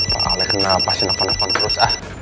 pak alec kenapa sih nelfon nelfon terus ah